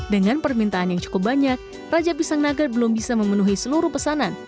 dengan permintaan yang cukup banyak raja pisang nugger belum bisa memenuhi seluruh pesanan